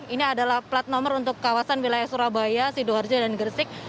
ini adalah plat nomor untuk kawasan wilayah surabaya sidoarjo dan gersik